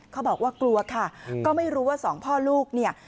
เขาบอกว่ากลัวค่ะก็ไม่รู้ว่าสองพ่อลูกเนี่ย